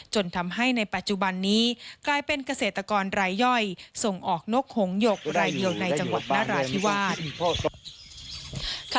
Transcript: จนทำให้ในปัจจุบันนี้กลายเป็นเกษตรกรรายย่อยส่งออกนกหงหยกรายเดียวในจังหวัดนราธิวาส